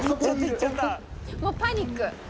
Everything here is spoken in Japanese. もうパニック。